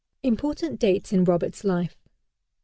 IMPORTANT DATES IN ROBERTS'S LIFE 1832.